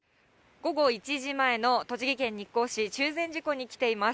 午後１時前の栃木県日光市、中禅寺湖に来ています。